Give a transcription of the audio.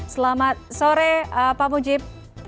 selamat sore pak mujib